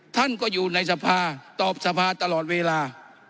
ท่านก็อยู่ในทรภาคมตอบทรภาคมตลอดเวลา